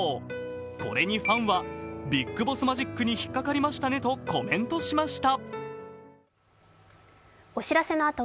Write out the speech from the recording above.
これにファンはビッグボスマジックに引っかかりましたねとコメントしました。